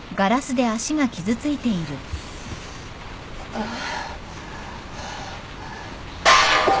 ああ。